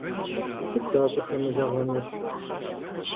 Сыт дащӏыхэмызэгъэнур?